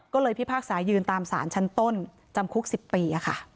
ก็เลยพิพากษายืนตามสารชั้นต้นจำคุก๑๐ปี